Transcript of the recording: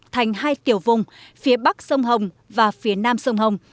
thành hai tiểu vùng phía bắc sông hồng và phía nam sông hồng